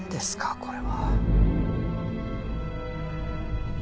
これは。